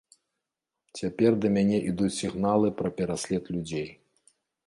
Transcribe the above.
Цяпер да мяне ідуць сігналы пра пераслед людзей.